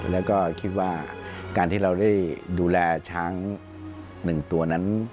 แล้วก็คิดว่าการที่เราได้ดูแลช้าง๑ตัวนั้น